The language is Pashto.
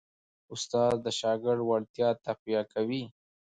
استاد د شاګرد وړتیا تقویه کوي.